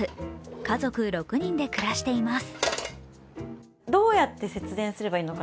家族６人で暮らしています。